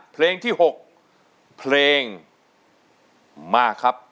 เพลงที่๖เพลงมาครับ